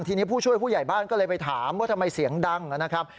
ทีนี้ผู้ช่วยผู้ใหญ่บ้านก็เลยไปถามว่าทำไมเสียงดังนะครับ